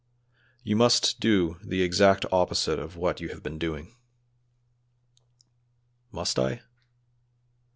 "You must do the exact opposite of what you have been doing." "Must I?"